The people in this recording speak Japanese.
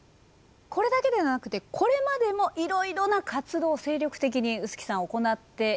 これだけではなくてこれまでもいろいろな活動を精力的に臼杵さん行ってこられたんですね。